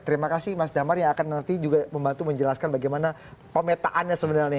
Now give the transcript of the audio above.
terima kasih mas damar yang akan nanti juga membantu menjelaskan bagaimana pemetaannya sebenarnya